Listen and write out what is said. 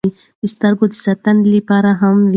دا د سترګو د ساتنې لپاره هم و.